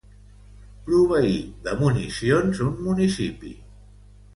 Proveí de municions un municipi.